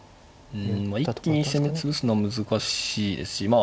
うんまあ一気に攻め潰すのは難しいですしま